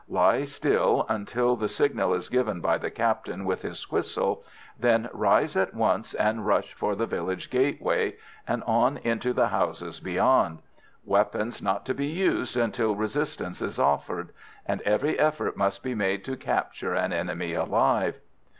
Lie still until the signal is given by the Captain with his whistle, then rise at once and rush for the village gateway, and on into the houses beyond; weapons not to be used until resistance is offered; and every effort must be made to capture an enemy alive."